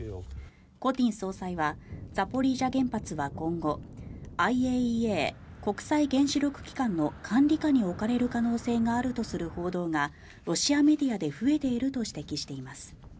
コティン総裁はザポリージャ原発は今後ＩＡＥＡ・国際原子力機関の管理下に置かれる可能性があるとする報道がロシアメディアで増えていると指摘しています。